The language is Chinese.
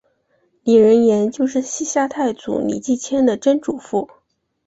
李仁颜就是西夏太祖李继迁的曾祖父。